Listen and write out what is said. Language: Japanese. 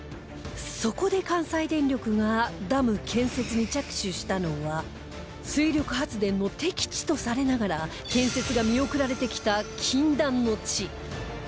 そこで関西電力がダム建設に着手したのは水力発電の適地とされながら建設が見送られてきた禁断の地